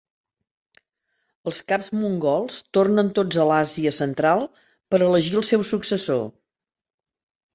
Els caps mongols tornen tots a l'Àsia central per elegir el seu successor.